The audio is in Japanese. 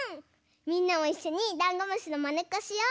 みんなもいっしょにダンゴムシのまねっこしよう！